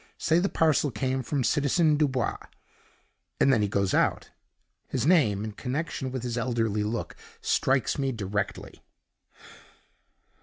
Say the parcel came from Citizen Dubois;' and then he goes out. His name, in connection with his elderly look, strikes me directly.